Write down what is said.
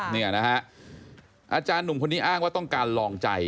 เนี่ยนะฮะอาจารย์หนุ่มคนนี้อ้างว่าต้องการลองใจ